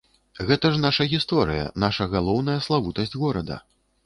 Гэта ж наша гісторыя, наша галоўная славутасць горада.